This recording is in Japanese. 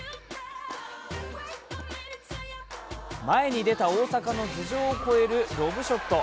前に出た大坂の頭上を越えるロブショット。